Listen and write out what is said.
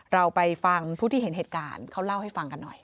เราไปฟังผู้ที่เห็นเหตุการณ์เขาเล่าให้ฟังกันหน่อย